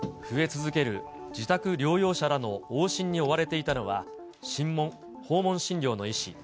増え続ける自宅療養者らの往診に追われていたのは、訪問診療の医師。